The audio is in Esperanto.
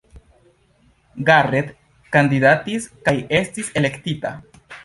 Garrett kandidatis kaj estis elektita.